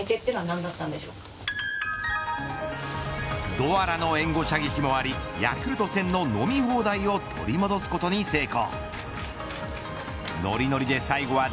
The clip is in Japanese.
ドアラの援護射撃もありヤクルト１０００の飲み放題を取り戻すことに成功。